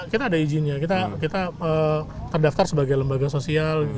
kita ada izinnya kita terdaftar sebagai lembaga sosial